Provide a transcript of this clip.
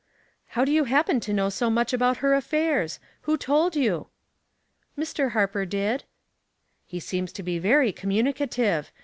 " How do you happen to know so much about her affairs ? Who told you ?"" Mr. Harper did." " He seems to be very communicative.